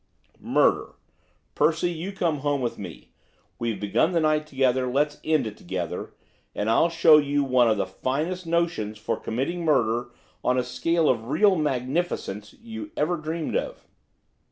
'Murder. Percy, you come home with me, we've begun the night together, let's end it together, and I'll show you one of the finest notions for committing murder on a scale of real magnificence you ever dreamed of.